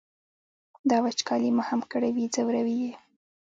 دا وچکالي ما هم کړوي ځوروي یې.